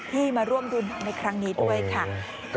ที่มาร่วมรุนในครั้งนี้ด้วยค่ะ